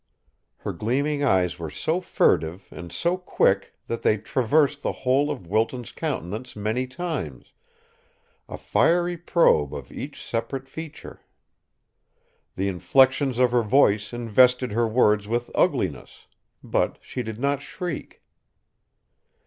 Her gleaming eyes were so furtive and so quick that they traversed the whole of Wilton's countenance many times, a fiery probe of each separate feature. The inflections of her voice invested her words with ugliness; but she did not shriek.